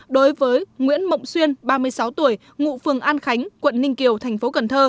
đối với nguyễn mộng xuyên ba mươi sáu tuổi ngụ phường an khánh quận ninh kiều tp cn